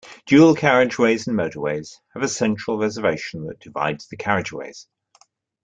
Dual-carriageways and motorways have a central reservation that divides the carriageways